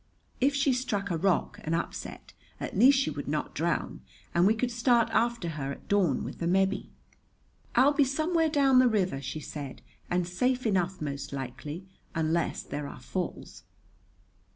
If she struck a rock and upset, at least she would not drown; and we could start after her at dawn with the Mebbe. "I'll be somewhere down the river," she said, "and safe enough, most likely, unless there are falls."